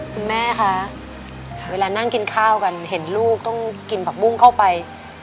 คุณแม่คะเวลานั่งกินข้าวกันเห็นลูกต้องกินผักบุ้งเข้าไป